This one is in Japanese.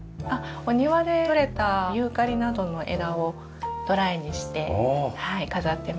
お庭でとれたユーカリなどの枝をドライにして飾ってます。